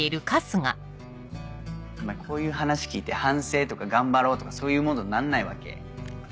お前こういう話聞いて反省とか頑張ろうとかそういうモードになんないわけ？